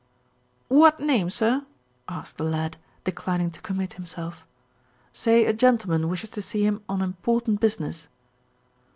"What name, sir?" asked the lad, declining to com mit himself. "Say a gentleman wishes to see him on important business."